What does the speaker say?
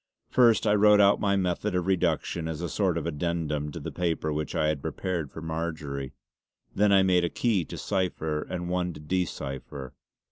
First I wrote out my method of reduction as a sort of addendum to the paper which I had prepared for Marjory. Then I made a key to cipher and one to de cipher.